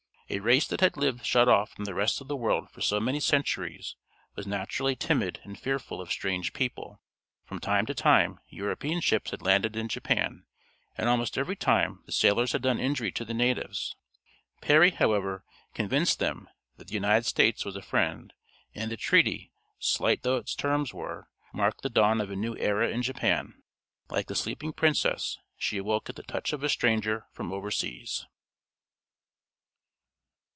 A race that had lived shut off from the rest of the world for so many centuries was naturally timid and fearful of strange people. From time to time European ships had landed in Japan, and almost every time the sailors had done injury to the natives. Perry, however, convinced them that the United States was a friend, and the treaty, slight though its terms were, marked the dawn of a new era in Japan. Like the sleeping princess, she woke at the touch of a stranger from overseas.